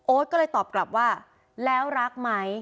ก็เลยตอบกลับว่าแล้วรักไหม